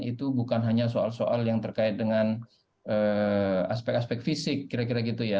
itu bukan hanya soal soal yang terkait dengan aspek aspek fisik kira kira gitu ya